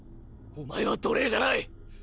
お前は奴隷じゃない！！